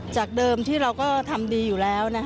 จากเดิมที่เราก็ทำดีอยู่แล้ว